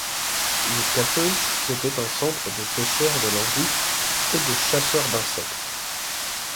Jusqu'à peu, c'était un centre de pêcheurs de langoustes et de chasseurs d'insectes.